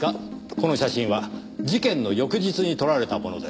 この写真は事件の翌日に撮られたものです。